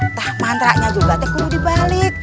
nah mantra juga tuh udah dibalik